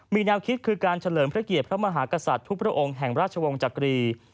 มีแนวคิดคือการเฉลิมพระเกียรติพระมหากษัตริย์ทุกพระองค์แห่งราชวงศ์จักรี